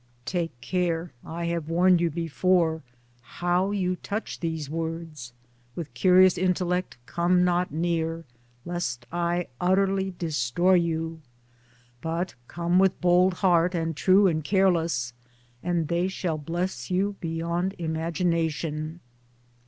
Take care (I have warned you before) how you touch these words : with curious intellect come not near, lest I utterly destroy you; but come with bold heart and true and careless, and they shall bless you beyond imagination.